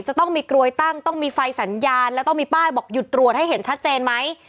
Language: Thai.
จะต้องมีกลวยตั้งต้องมีไฟสัญญาณแล้วต้องมีป้ายบอกหยุดตรวจให้เห็นชัดเจนไหม